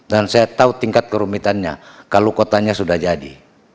dan saya tahu tingkat kerumitannya kalau kotanya sudah jadi